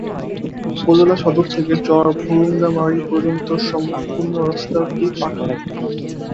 উপজেলা সদর হতে চর ভূরুঙ্গামারী পর্যন্ত সম্পূর্ণ রাস্তাটি পাকা।